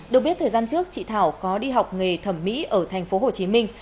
được biết thời gian trước chị thảo có đi học nghề thẩm mỹ ở thành phố hồ chí minh